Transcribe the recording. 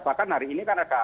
bahkan hari ini kan ada